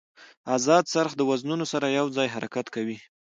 ازاد څرخ د وزنونو سره یو ځای حرکت کوي.